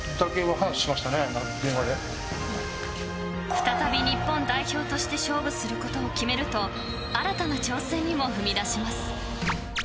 ［再び日本代表として勝負することを決めると新たな挑戦にも踏み出します］